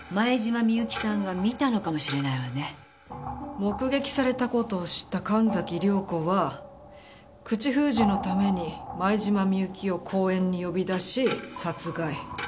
目撃された事を知った神崎涼子は口封じのために前島美雪を公園に呼び出し殺害。